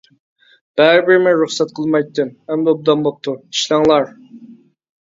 — بەرىبىر مەن رۇخسەت قىلمايتتىم، ئەمدى ئوبدان بوپتۇ، ئىشلەڭلار.